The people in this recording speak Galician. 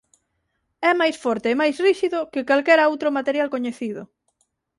É máis forte e máis ríxido que calquera outro material coñecido.